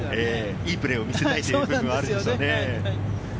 いいプレーを見せたいという部分があるでしょうね。